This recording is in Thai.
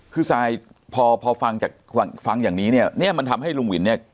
คือซายพอพอฟังจากฟังอย่างนี้เนี่ยเนี่ยมันทำให้ลุงวินเนี่ย